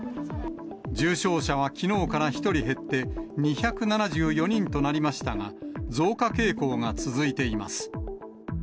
重症者はきのうから１人減って２７４人となりましたが、増加傾向が続いています。